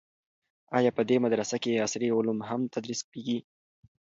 آیا په دې مدرسه کې عصري علوم هم تدریس کیږي؟